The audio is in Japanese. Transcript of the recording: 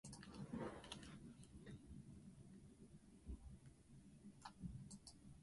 カルヴァドス県の県都はカーンである